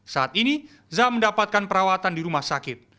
saat ini zah mendapatkan perawatan di rumah sakit